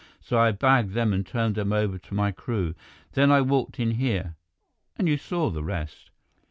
So I bagged them and turned them over to my crew. Then I walked in here, and you saw the rest."